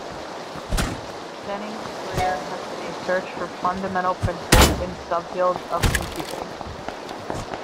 Denning's career has been a search for fundamental principles in subfields of computing.